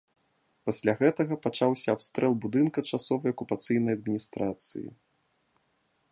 Пасля гэтага, пачаўся абстрэл будынка часовай акупацыйнай адміністрацыі.